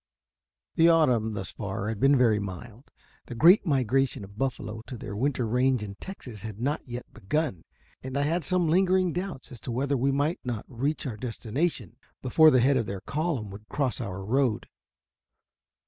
The autumn thus far had been very mild. The great migration of the buffalo to their winter range in Texas had not yet begun, and I had some lingering doubts as to whether we might not reach our destination before the head of their column would cross our road.